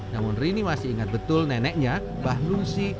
namun rini masih ingat betul neneknya bah lungsi